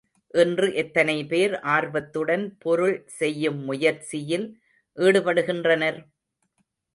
இன்று எத்தனை பேர் ஆர்வத்துடன் பொருள் செய்யும் முயற்சியில் ஈடுபடுகின்றனர்?